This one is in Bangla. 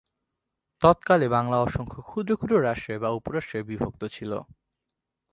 তৎকালে বাংলা অসংখ্য ক্ষুদ্র ক্ষুদ্র রাষ্ট্রে বা উপরাষ্ট্রে বিভক্ত ছিলো।